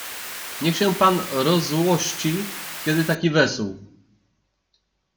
Niech się pan rozzłości, kiedy taki wesół.